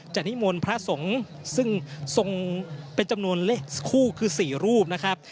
นิมนต์พระสงฆ์ซึ่งทรงเป็นจำนวนเลขคู่คือ๔รูปนะครับ